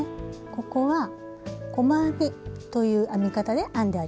ここは細編みという編み方で編んであります。